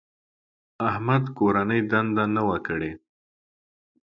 احمد کورنۍ دنده نه وه کړې.